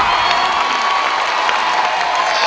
โทษใจโทษใจโทษใจโทษใจโทษใจโทษใจ